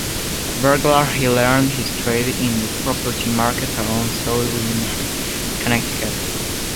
A burglar, he learned his trade in the property market around South Windham, Connecticut.